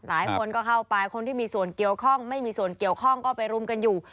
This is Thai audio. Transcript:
หลายคนก็เข้าไปคนที่มีส่วนเกี่ยวข้องไม่มีส่วนเกี่ยวข้องก็ไปรุมกันอยู่